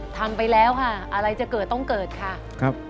ทำไปแล้วค่ะอะไรจะเกิดต้องเกิดค่ะครับ